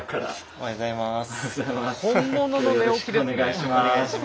お願いします。